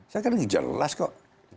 saya kira ini jelas kok